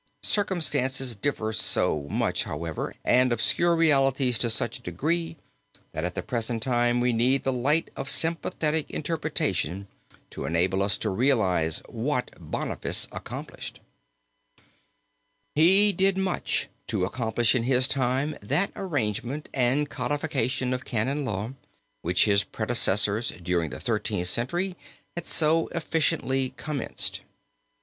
Circumstances differ so much, however, and obscure realities to such a degree, that at the present time we need the light of sympathetic interpretation to enable us to realize what Boniface accomplished. {opp372} PORTRAIT OF POPE BONIFACE VIII. (GIOTTO, ROME) He did much to complete in his time that arrangement and codification of canon law which his predecessors during the Thirteenth Century had so efficiently commenced.